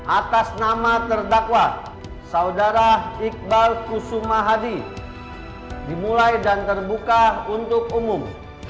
atas nama terdakwa saudara iqbal kusuma hadi dimulai dan terbuka untuk umum